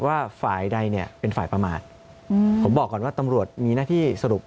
ว่าฝ่ายใดเนี่ยเป็นฝ่ายประมาทผมบอกก่อนว่าตำรวจมีหน้าที่สรุป